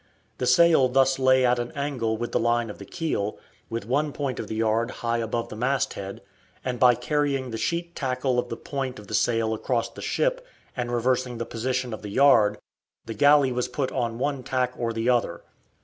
The sail thus lay at an angle with the line of the keel, with one point of the yard high above the masthead, and by carrying the sheet tackle of the point of the sail across the ship, and reversing the position of the yard, the galley was put on one tack or the other.